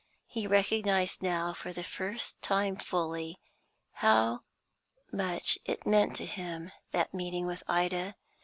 He recognised now, for the first time fully, how much it meant to him, that meeting with Ida.